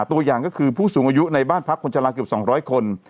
ตัวอย่างก็คือผู้สูงอายุในบ้านพักคนชะลาเกือบ๒๐๐คน